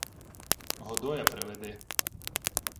— Годоя приведи.